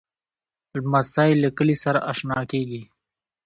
لمسی له کلي سره اشنا کېږي.